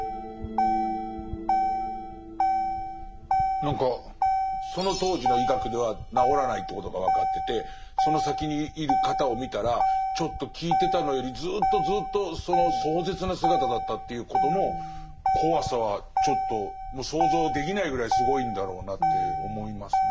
何かその当時の医学では治らないということが分かっててその先にいる方を見たらちょっと聞いてたのよりずっとずっとその壮絶な姿だったということの怖さはちょっともう想像できないぐらいすごいんだろうなって思いますね。